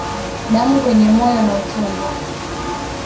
Damu kwenye moyo na utumbo